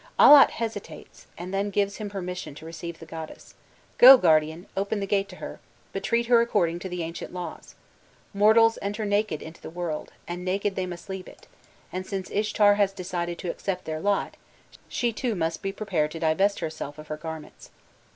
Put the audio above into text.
Allat hesitates, and then gives him permission to receive the goddess: 'Go, guardian, open the gate to her but treat her according to the ancient laws. Mortals enter naked into the world, and naked must they leave it: and since Ishtar has decided to accept their lot, she too must be prepared to divest herself of her garments.